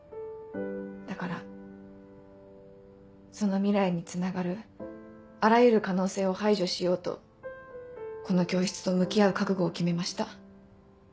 だからその未来につながるあらゆる可能性を排除しようとこの教室と向き合う覚悟を決めました。